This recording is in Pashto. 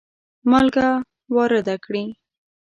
مالګه وارده کړي.